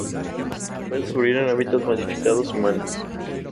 Puede sobrevivir en hábitats modificados humanos.